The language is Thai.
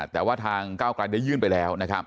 แต่ว่าทางก้าวกลายได้ยื่นไปแล้วนะครับ